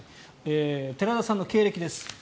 寺田さんの経歴です。